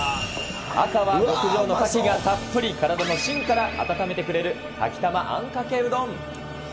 赤は極上のカキがたっぷり、体のしんから温めてくれる、牡蠣たまあんかけうどん。